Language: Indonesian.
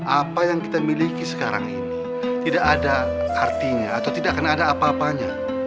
apa yang kita miliki sekarang ini tidak ada artinya atau tidak akan ada apa apanya